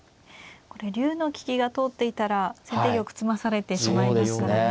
これ竜の利きが通っていたら先手玉詰まされてしまいますもんね。